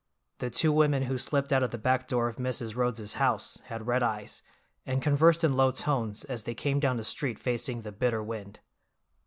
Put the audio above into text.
The two women who slipped out of the back door of Mrs. Rhodes's house had red eyes, and conversed in low tones as they came down the street facing the bitter wind.